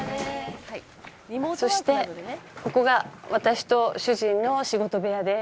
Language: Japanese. そしてここが私と主人の仕事部屋です。